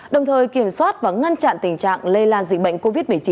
đồng thời kiểm soát và ngăn chặn tình trạng lây lan dịch bệnh covid một mươi chín